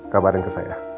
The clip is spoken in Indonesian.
kabar yang ke saya